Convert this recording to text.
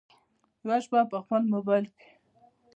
یوه شپه په خپل مبایل کې